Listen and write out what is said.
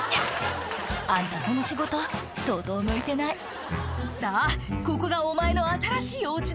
あんたこの仕事相当向いてない「さぁここがお前の新しいおうちだ」